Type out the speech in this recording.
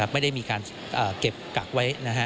ไม่ได้มีการเก็บกักไว้